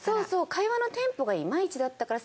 会話のテンポがいまいちだったから。